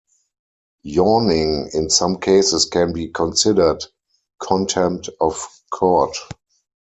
Yawning in some cases can be considered contempt of court.